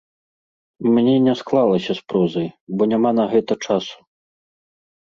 У мяне не склалася з прозай, бо няма на гэта часу.